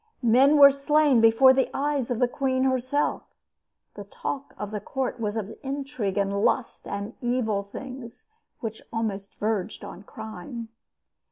Men were slain before the eyes of the queen herself. The talk of the court was of intrigue and lust and evil things which often verged on crime.